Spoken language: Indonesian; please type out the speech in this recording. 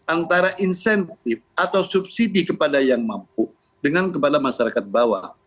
antara insentif atau subsidi kepada yang mampu dengan kepada masyarakat bawah